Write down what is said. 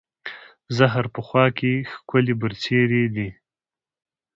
زهر په خوا کې، ښکلې برسېرې دي